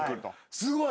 すごい。